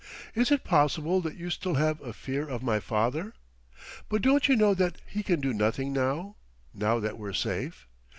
Is it possible that you still have a fear of my father? But don't you know that he can do nothing now now that we're safe?